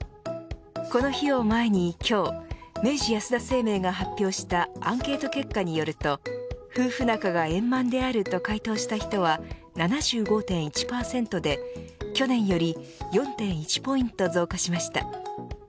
この日を前に今日明治安田生命が発表したアンケート結果によると夫婦仲が円満であると回答した人は７５．１％で去年より４．１ポイント増加しました。